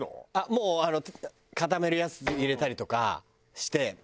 もうあの固めるやつ入れたりとかして。